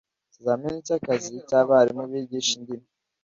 ikizamini cy akazi cy abarimu bigisha indimi